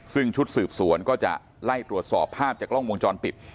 ซึ่งชุดสืบสวนก็จะไล่ตรวจสอบภาพจากกล้องวงจรปิด